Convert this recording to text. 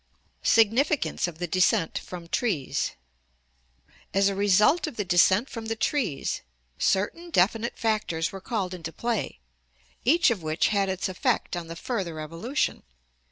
Significance of the Descent from Trees. — As a result of the descent from the trees, certain definite factors were called into play, each of which had its effect on the further evolution.